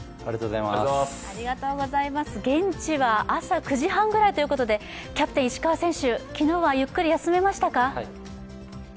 現地は朝９時半ぐらいということで、キャプテン・石川選手、昨日はゆっくり休めましたか？